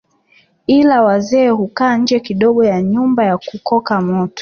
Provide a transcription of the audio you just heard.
Ila wazee hukaa nje kidogo ya nyumba na kukoka moto